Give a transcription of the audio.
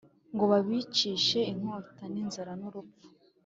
ngo babicishe inkota n’inzara n’urupfu,